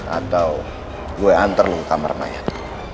atau gue antar lu ke kamar mayat